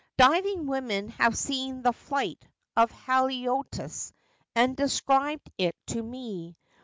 Diving women have seen the c flight ' of haliotis and described it to me.